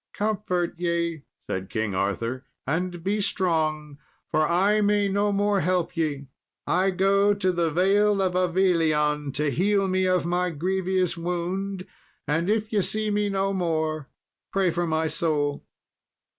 "Comfort ye," said King Arthur, "and be strong, for I may no more help ye. I go to the Vale of Avilion to heal me of my grievous wound, and if ye see me no more, pray for my soul."